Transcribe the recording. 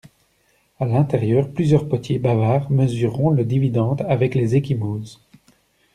À l'intérieur, plusieurs potiers bavards mesureront le dividende avec les ecchymoses.